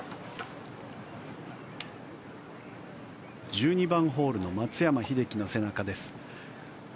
１２番の松山英樹の背中です。